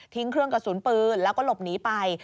เครื่องกระสุนปืนแล้วก็หลบหนีไป